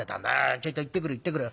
ちょいと行ってくる行ってくる。